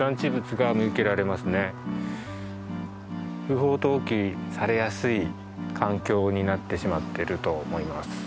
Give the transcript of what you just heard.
不法投棄されやすい環境になってしまっていると思います。